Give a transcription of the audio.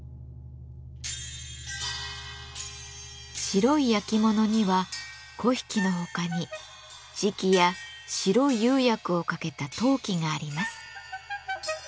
白い焼き物には粉引のほかに磁器や白い釉薬をかけた陶器があります。